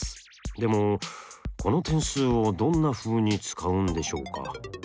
でもこの点数をどんなふうに使うんでしょうか？